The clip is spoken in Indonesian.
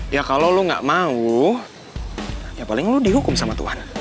ya kalau lo gak mau ya paling lu dihukum sama tuhan